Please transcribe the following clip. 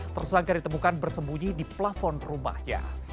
tersangka ditemukan bersembunyi di plafon rumahnya